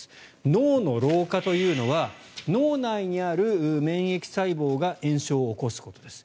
脳の老化というのは脳内にある免疫細胞が炎症を起こすことです。